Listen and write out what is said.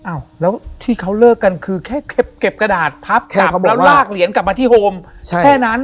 อ้าวแล้วที่เขาเลิกกันคือแค่เก็บกระดาษพับแล้วลากเหรียญกลับมาที่โฮมแค่นั้น